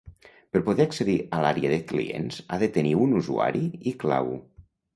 Per poder accedir a l'àrea de clients ha de tenir un usuari i clau.